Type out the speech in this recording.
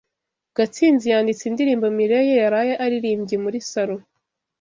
Gatsinzi yanditse indirimbo Mirelle yaraye aririmbye muri salo.